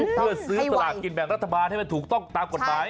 เพื่อซื้อสลากกินแบ่งรัฐบาลให้มันถูกต้องตามกฎหมาย